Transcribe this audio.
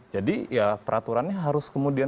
jadi peraturannya harus kemudian